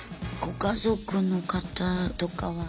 ご家族の方とかは。